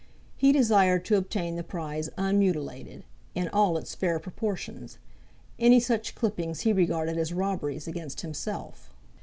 He desired to obtain the prize unmutilated, in all its fair proportions. Any such clippings he regarded as robberies against himself.